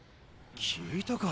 聞いたか？